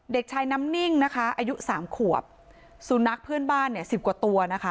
เด็กชายน้ำนิ่งนะคะอายุสามขวบสุนัขเพื่อนบ้านเนี่ยสิบกว่าตัวนะคะ